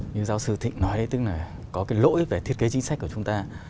như giáo sư thịnh nói tức là có cái lỗi về thiết kế chính sách của chúng ta